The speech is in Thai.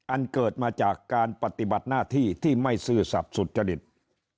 อันเกิดมาจากการปฏิบัติหน้าที่ที่ไม่ซื่อสัตว์สุจริต